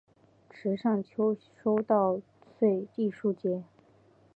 池上秋收稻穗艺术节